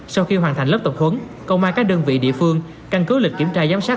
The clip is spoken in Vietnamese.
sau khi hoàn thành lớp tập huấn công an các đơn vị địa phương căn cứ lịch kiểm tra giám sát